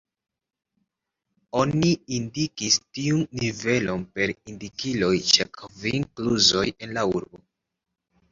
Oni indikis tiun nivelon per indikiloj ĉe kvin kluzoj en la urbo.